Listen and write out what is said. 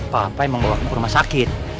pak apa yang mengeluarkan aku ke rumah sakit